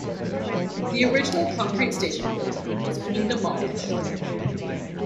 The original concrete station building has been demolished.